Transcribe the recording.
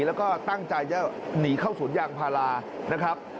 แล้วก็ตั้งใจจะหนีเข้าสวนยางพารานะครับ